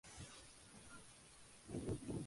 Casi siempre es de color blanco con manchas oscuras.